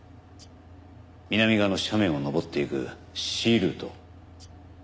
南側の斜面を登っていくＣルート。